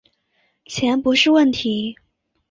钱不是问题